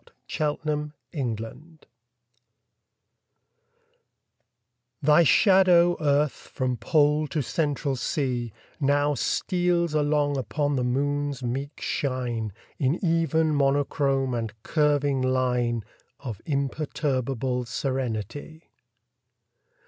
AT A LUNAR ECLIPSE THY shadow, Earth, from Pole to Central Sea, Now steals along upon the Moon's meek shine In even monochrome and curving line Of imperturbable serenity.